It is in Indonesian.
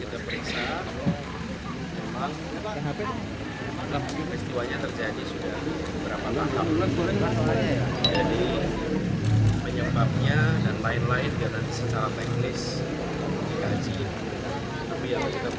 di peristiwa tersebut pemprov langsung mengecek turap yang berada di bantaran kali yang terkena longsor